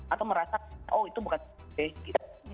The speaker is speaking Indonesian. atau merasa oh itu bukan seperti